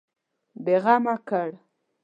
بېغمه کړ.